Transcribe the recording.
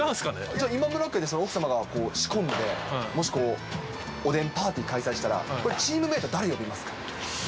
じゃあ、今村家では奥様が仕込んで、もしおでんパーティー開催したら、チームメート、誰呼びますか？